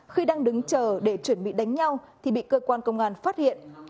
khi đang đứng chờ để chuẩn bị đánh nhau thì bị cơ quan công an phát hiện